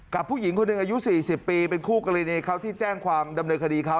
ผู้หญิงคนหนึ่งอายุ๔๐ปีเป็นคู่กรณีเขาที่แจ้งความดำเนินคดีเขา